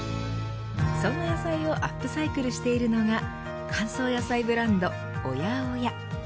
そんな野菜をアップサイクルしているのが乾燥野菜ブランドＯＹＡＯＹＡ。